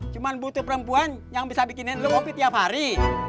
cuma butuh perempuan yang bisa bikinin lupi tiap hari